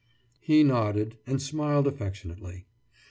« He nodded and smiled affectionately.